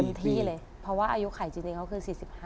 ตอนที่เขาไปอายุเท่าไหร่เฉะแม่